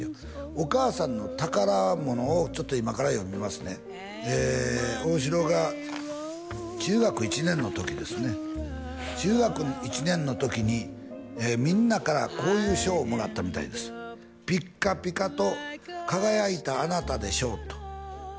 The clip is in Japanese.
お母さんの宝物をちょっと今から読みますねえ旺志郎が中学１年の時ですね中学１年の時にみんなからこういう賞をもらったみたいです「ぴかっぴかっと」